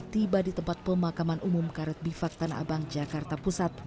tiba di tempat pemakaman umum karot bifak tanah abang jakarta pusat